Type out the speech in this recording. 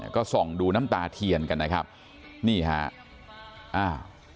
ก็ส่องดูน้ำตาเทียนกันนะครับนี่ฮะอ่า